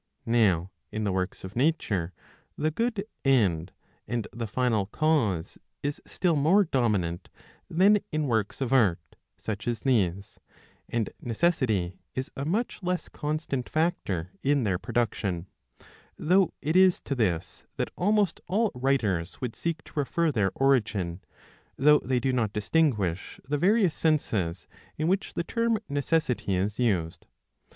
Now in the works of nature the good end 630 b. 1. I. 3 and the final cause is still more dominant than in works of art, such as these, and necessity is a much less constant factor in their production ; though it is to this that almost all writers would seek to refer their origin, though they do not distinguish the various senses in which the term necessity is used.